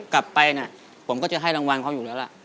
กลับไปนะผมก็จะให้รางวัลเขาอยู่แล้วล่ะ